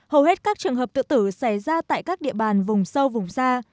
hầu hết các trường hợp tự tử xảy ra tại các địa bàn vùng sâu vùng xa